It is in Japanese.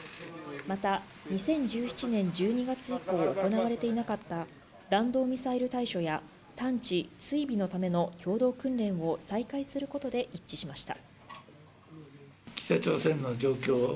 また２０１７年１２月以降行われていなかった弾道ミサイル対処や探知・追尾のための共同訓練を再開することで一致しました。